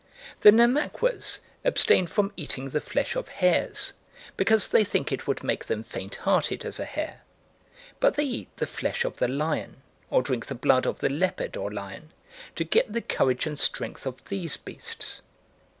The Namaquas abstain from eating the flesh of hares, because they think it would make them faint hearted as a hare. But they eat the flesh of the lion, or drink the blood of the leopard or lion, to get the courage and strength of these beasts.